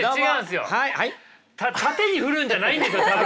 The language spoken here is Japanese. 縦に振るんじゃないんですよ多分。